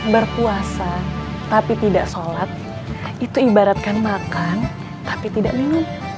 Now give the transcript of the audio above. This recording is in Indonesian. berpuasa tapi tidak sholat itu ibaratkan makan tapi tidak minum